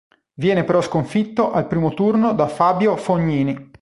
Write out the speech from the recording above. Viene però sconfitto al primo turno da Fabio Fognini.